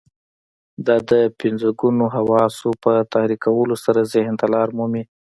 دا د پنځه ګونو حواسو په تحريکولو سره ذهن ته لار مومي.